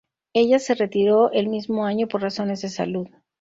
Ella se retiró el mismo año por razones de salud.